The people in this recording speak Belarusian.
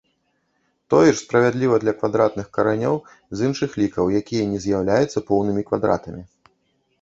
Тое ж справядліва для квадратных каранёў з іншых лікаў, якія не з'яўляюцца поўнымі квадратамі.